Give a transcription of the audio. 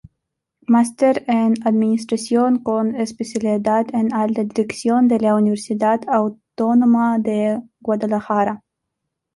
Máster en Administración con especialidad en Alta Dirección de la Universidad Autónoma de Guadalajara.